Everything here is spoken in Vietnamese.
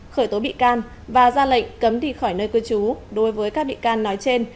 khởi tố bị can và ra lệnh cấm đi khỏi nơi cư trú đối với các bị can nói trên